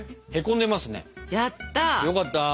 よかった。